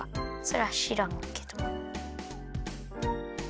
それはしらんけど。